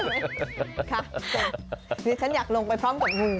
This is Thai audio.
ดิฉันอยากลงไปพร้อมกับงู